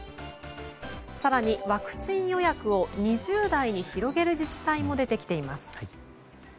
更にワクチン予約を２０代に広げる自治体も出てきています。